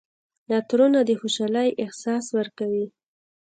عطرونه د خوشحالۍ احساس ورکوي.